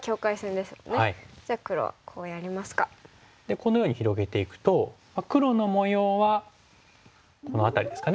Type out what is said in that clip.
このように広げていくと黒の模様はこの辺りですかね。